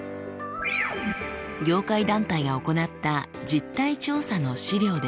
業界団体が行った実態調査の資料です。